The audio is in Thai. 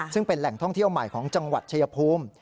ซึ่งเป็นแหล่งท่องเที่ยวใหม่ของจังหวัดชายภูมิ